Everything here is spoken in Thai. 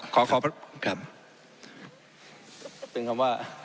ขอพร้อมครับ